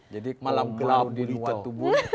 jadi malam gelap di luar tubuh